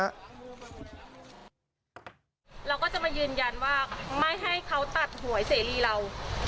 เราก็จะมายืนยันว่าไม่ให้เขาตัดหวยเสรีเรา